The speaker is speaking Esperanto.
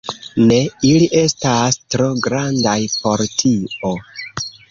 Ne, ili estas tro grandaj por tio